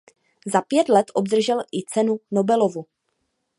Za pět let obdržel i cenu Nobelovu.